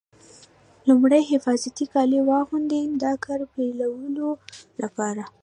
لومړی حفاظتي کالي واغوندئ د کار پیلولو لپاره.